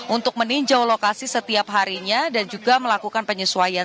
untuk meninjau lokasi setiap harinya dan juga melakukan penyesuaian